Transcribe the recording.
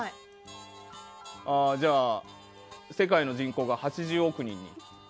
じゃあ、世界の人口が８０億人に！の森